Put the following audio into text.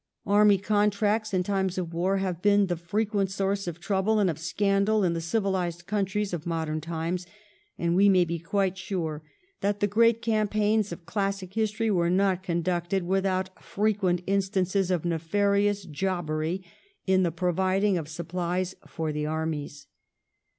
Army contracts in times of war have been the frequent source of trouble and of scandal in the civilised countries of modern times, and we may be quite sure that the great campaigns of classic history were not conducted without frequent instances of nefarious jobbery in the providing of supplies for the armies.